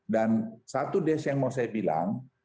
dan satu des yang mau saya bilang